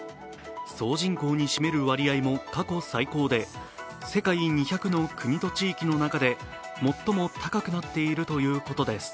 総人口に占める割合も過去最高で世界２００の国と地域の中で最も高くなっているということです。